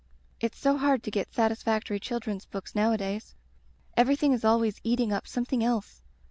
"It's so hard to get satisfac tory children's books nowadays. Everything is always eating up something else.